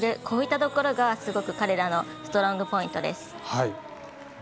こういったところが彼らのストロングポイントです。